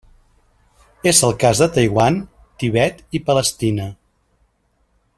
És el cas de Taiwan, Tibet i Palestina.